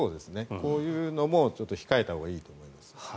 こういうのも控えたほうがいいと思います。